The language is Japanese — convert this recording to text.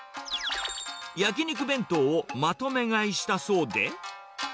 焼き肉弁当をまとめ買いしたそうで。